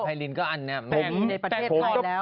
ไพลินก็อันแน่